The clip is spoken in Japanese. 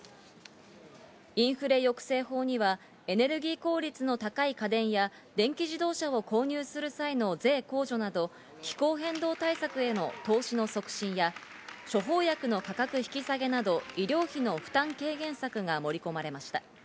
インフレ抑制法にはエネルギー効率の高い家電や、電気自動車を購入する際の税控除など、気候変動対策への投資の促進や、処方薬の価格引き下げなど医療費の負担軽減策が盛り込まれました。